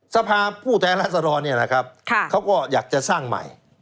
สภาผู้แท้รัสดรเขาก็อยากจะสร้างใหม่